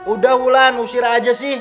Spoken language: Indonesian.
udah wulan ngusir aja sih